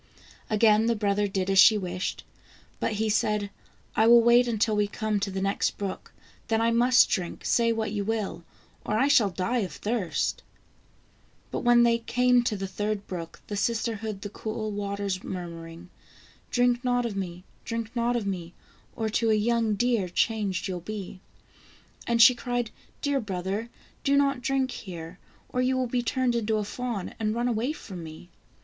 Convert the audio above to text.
Again the brother did as she wished, but he said :" I will wait until we come to the next brook, then I must drink, say what you will, or I shall die of thirst." But when they came to the third brook, the sister heard the cool waters murmuring: " Drink not of me! drink not of me, Or to a young deer changed you'll be." And she cried :" Dear brother, do not drink here, or you will be turned into a fawn, and run away from me."